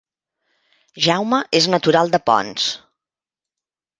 Jaume és natural de Ponts